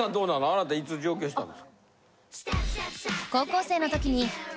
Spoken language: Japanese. あなたいつ上京したの。